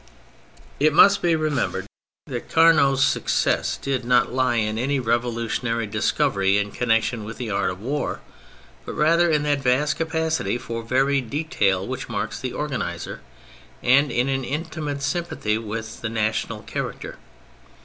It must be remembered that Carnot's THE MILITARY ASPECT 185 success did not lie in any revolutionary dis covery in connection with the art of war, but rather in that vast capacity for varied detail which marks the organiser, and in an intimate sympathy with the national char acter.